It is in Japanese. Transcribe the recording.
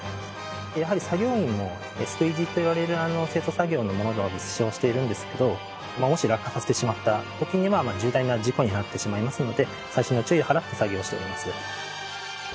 やはり作業員もスクイージーといわれる清掃作業のものを使用しているんですけどもし落下させてしまった時には重大な事故になってしまいますので細心の注意を払って作業をしております。